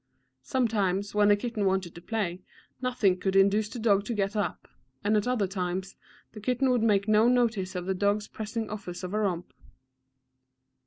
Sometimes, when the kitten wanted to play, nothing could induce the dog to get up, and at other times the kitten would take no notice of the dog's pressing offers of a romp.